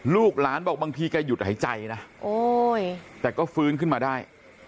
ลูกหลานบอกบางทีแกหยุดหายใจนะแต่ก็ฟื้นขึ้นมาได้